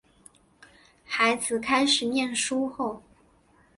孩子开始念书后